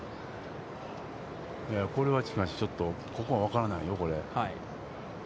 これはしかし、ちょっとここは分からないよ。